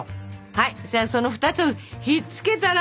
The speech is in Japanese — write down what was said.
はいじゃあその２つをひっつけたら？